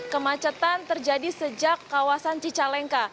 kemacetan terjadi sejak kawasan cicalengka